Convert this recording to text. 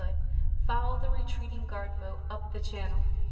could, followed the retreating guard boat up the channel.